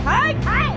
はい！